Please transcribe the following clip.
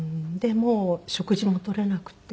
もう食事も取らなくて。